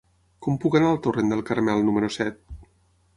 Com puc anar al torrent del Carmel número set?